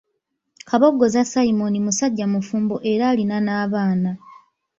Kabogoza Simon musajja mufumbo era nga alina n'abaana.